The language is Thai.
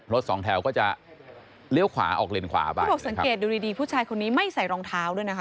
สองแถวก็จะเลี้ยวขวาออกเลนขวาไปเขาบอกสังเกตดูดีดีผู้ชายคนนี้ไม่ใส่รองเท้าด้วยนะคะ